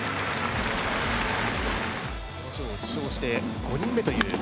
この賞を受賞して５人目という。